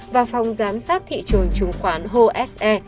và phòng giám sát thị trường trung khoán hồ s e